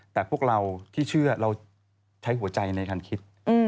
แต่พวกเราที่เชื่อเราใช้หัวใจในการคิด